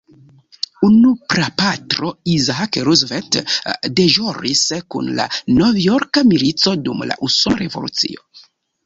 Unu prapatro, Isaac Roosevelt, deĵoris kun la novjorka milico dum la Usona Revolucio.